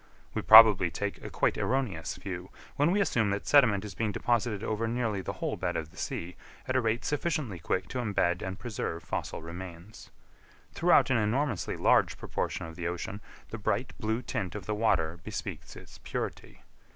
We probably take a quite erroneous view, when we assume that sediment is being deposited over nearly the whole bed of the sea, at a rate sufficiently quick to embed and preserve fossil remains. Throughout an enormously large proportion of the ocean, the bright blue tint of the water bespeaks its purity.